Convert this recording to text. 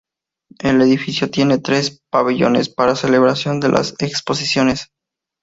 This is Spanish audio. El edificio tienen tres pabellones para celebración de las exposiciones.